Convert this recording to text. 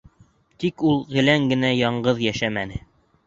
Тик ул гелән генә яңғыҙ йәшәмәне.